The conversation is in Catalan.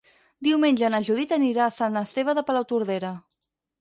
Diumenge na Judit anirà a Sant Esteve de Palautordera.